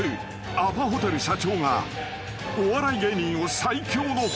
［アパホテル社長がお笑い芸人を］